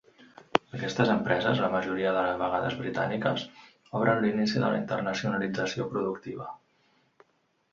Aquestes empreses, la majoria de vegades britàniques, obren l'inici de la internacionalització productiva.